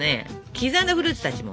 刻んだフルーツたちも。